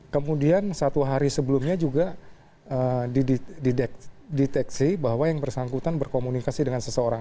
kemudian satu hari sebelumnya juga dideteksi bahwa yang bersangkutan berkomunikasi dengan seseorang